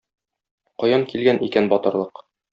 Каян килгән икән батырлык?